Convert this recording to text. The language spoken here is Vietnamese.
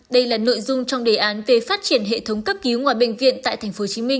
đây là nội dung trong đề án về phát triển hệ thống cấp cứu ngoài bệnh viện tại tp hcm